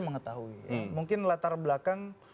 mengetahui mungkin latar belakang